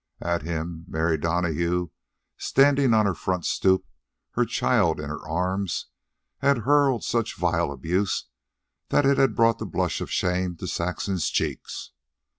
At him, Mary Donahue, standing on her front stoop, her child in her arms, had hurled such vile abuse that it had brought the blush of shame to Saxon's cheeks.